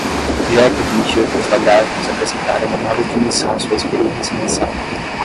Jack admitiu que os lagartos acrescentaram uma nova dimensão à sua experiência na sauna.